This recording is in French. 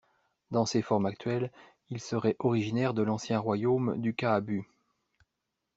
Dans ses formes actuelles, il serait originaire de l'ancien royaume du Kaabu.